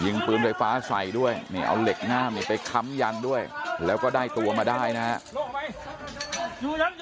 ปืนไฟฟ้าใส่ด้วยนี่เอาเหล็กง่ามไปค้ำยันด้วยแล้วก็ได้ตัวมาได้นะฮะ